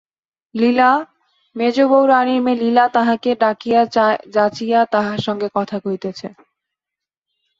লীলা, মেজ বৌ-রানীর মেয়ে লীলা তাহাকে ডাকিয়া যাচিয়া তাহার সঙ্গে কথা কহিতেছে!